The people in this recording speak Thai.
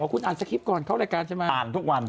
คุณอ่านสคริปต์ก่อนเข้ารายการใช่ไหมอ่านทุกวัน